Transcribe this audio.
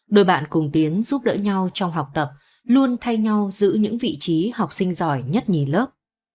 đôi bạn cùng tiến giúp đỡ nhau trong học tập luôn thay nhau giữ những vị trí học sinh giỏi nhất nhì lớp